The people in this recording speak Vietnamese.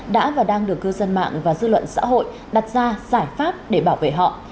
đã và đang được cư dân mạng và dư luận xã hội đặt ra giải pháp để bảo vệ họ